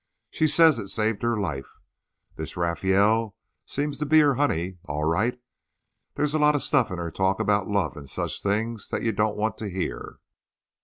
She says it saved her life. This Rafael seems to be her honey, all right; there's a lot of stuff in her talk about love and such things that you don't want to hear."